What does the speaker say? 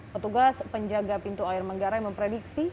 petugas penjaga pintu air menggarai memprediksi